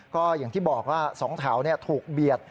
ก็อย่างที่บอกว่า๒แถวถูกเบียด